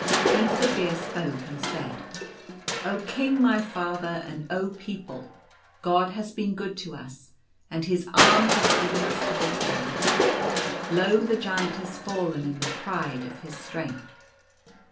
Prince Zaphir spoke and said : "Oh King my Father, and oh People !— God has been good to us, and His arm has given us the victory. Lo, the Giant has fallen in the pride of his strength